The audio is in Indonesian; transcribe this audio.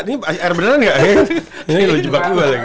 ini air beneran gak ya